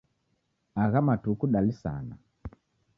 Agha matuku dalisana.